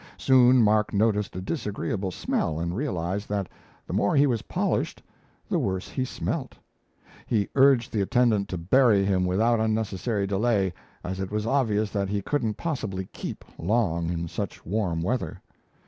Soon Mark noticed a disagreeable smell, and realized that the more he was polished the worse he smelt. He urged the attendant to bury him without unnecessary delay, as it was obvious that he couldn't possibly "keep" long in such warm weather.